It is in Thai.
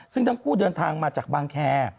ซึ่งทั้งคู่เดินทางมาจากบางแคร์